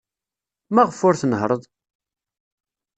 Maɣef ur tnehhṛeḍ?